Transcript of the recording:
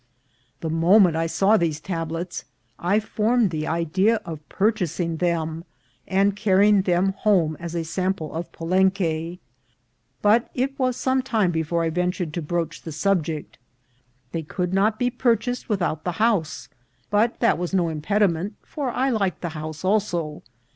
The mo ment I saw these tablets I formed the idea of purchas* ing them and carrying them home as a sample of Pa lenque, but it was some time before I ventured to broach the subject. They could not be purchased without the house ; but that was no impediment, for I liked the house also.